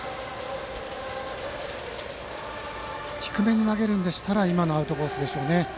低めに投げるなら今のアウトコースでしょうね。